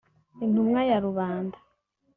Intumwa ya rubanda